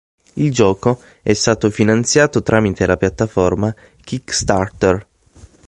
Il gioco è stato finanziato tramite la piattaforma Kickstarter.